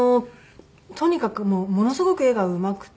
とにかくものすごく絵がうまくて。